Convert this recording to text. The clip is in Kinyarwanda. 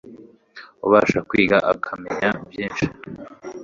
ubasha kwiga akamenya byinshi